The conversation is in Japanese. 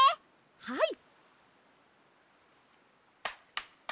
はい。